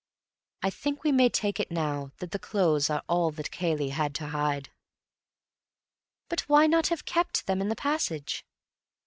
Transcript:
I think we may take it now that the clothes are all that Cayley had to hide." "But why not have kept them in the passage?"